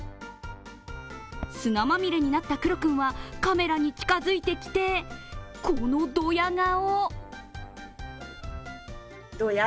砂まみれになったクロ君は、カメラに近づいてきて、このどや顔。